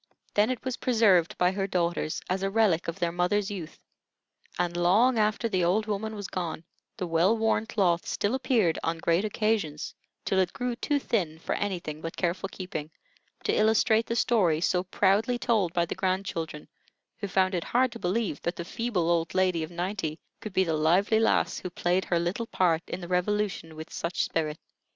Then it was preserved by her daughters, as a relic of their mother's youth, and long after the old woman was gone, the well worn cloth still appeared on great occasions, till it grew too thin for anything but careful keeping, to illustrate the story so proudly told by the grandchildren, who found it hard to believe that the feeble old lady of ninety could be the lively lass who played her little part in the Revolution with such spirit.